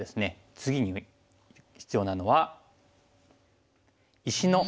次に必要なのは。